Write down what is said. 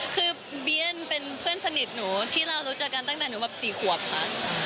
คือเบียนเป็นเพื่อนสนิทหนูที่เรารู้จักกันตั้งแต่หนูแบบ๔ขวบค่ะ